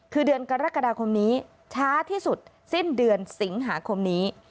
คือเดือนกรกฎาคมนี้ช้าที่สุดสิ้นเดือนสิงหาคมนี้